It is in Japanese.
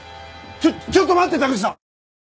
ちょっと待って田口さん！